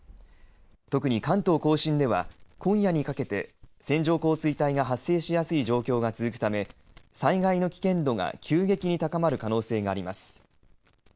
特に関東甲信では今夜にかけて線状降水帯が発生しやすい状況が続くため災害の危険度が急激に高まる可能性があります。